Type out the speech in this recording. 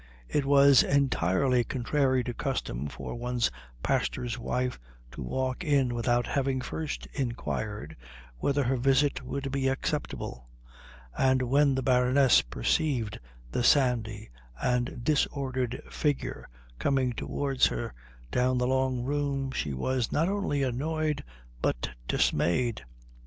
It was entirely contrary to custom for one's pastor's wife to walk in without having first inquired whether her visit would be acceptable; and when the Baroness perceived the sandy and disordered figure coming towards her down the long room she was not only annoyed but dismayed.